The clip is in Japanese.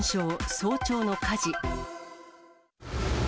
早朝の火事。